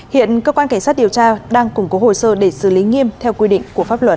hiện cơ quan cảnh sát điều tra đang củng cố hồ sơ để xử lý nghiêm theo quy định của pháp luật